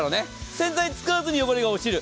洗剤使わずに汚れが落ちる。